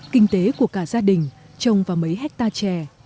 kinh tế của cả gia đình trồng vào mấy hectare chè